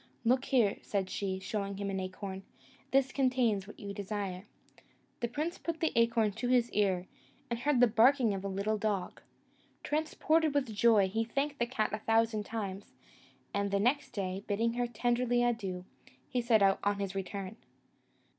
"Look here," said she, showing him an acorn, "this contains what you desire." The prince put the acorn to his ear, and heard the barking of a little dog. Transported with joy, he thanked the cat a thousand times; and the next day, bidding her tenderly adieu, he set out on his return.